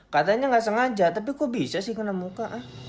katanya nggak sengaja tapi kok bisa sih kena muka